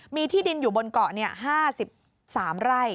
มีที่ดินอยู่บนเกาะ๕๓ไร่